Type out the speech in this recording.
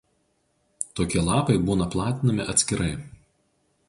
Tokie lapai būna platinami atskirai.